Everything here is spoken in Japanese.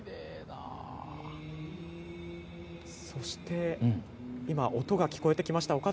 そして今、音が聞こえてきました。